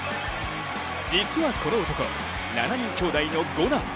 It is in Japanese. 実はこの男、７人兄弟の五男。